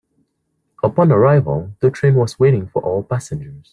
Upon arrival, the train was waiting for all passengers.